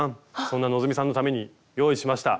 そんな希さんのために用意しました。